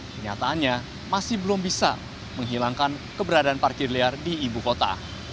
kenyataannya masih belum bisa menghilangkan keberadaan parkir liar di ibu kota